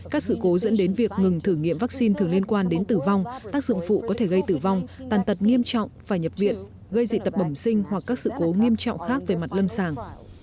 các sự cố dẫn đến việc ngừng thử nghiệm vaccine thường liên quan đến tử vong tác dụng phụ có thể gây tử vong tàn tật nghiêm trọng và nhập viện gây dị tập bẩm sinh hoặc các sự cố nghiêm trọng khác về mặt lâm sàng